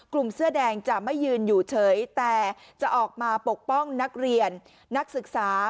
เสื้อแดงจะไม่ยืนอยู่เฉยแต่จะออกมาปกป้องนักเรียนนักศึกษา